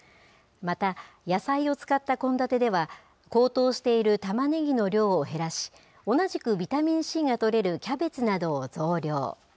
また、野菜を使った献立では、高騰しているタマネギの量を減らし、同じくビタミンＣがとれるキャベツなどを増量。